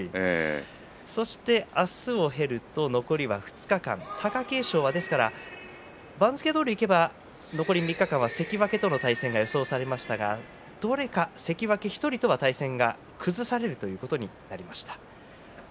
そして明日を経ると残り２日間、貴景勝は番付どおりにいけば残り３日間は関脇との対戦が予想されましたがどれか関脇１人とは対戦が崩されるということになりました。